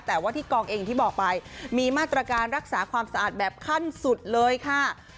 แต่ว่าที่กองเองที่บอกไปมีมาตรการรักษาความสะอาดแบบขั้นสุดเลยค่ะ